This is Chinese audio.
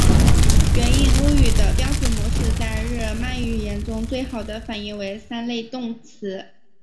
原印欧语的标准模式在日耳曼语言中最好的反映为三类动词。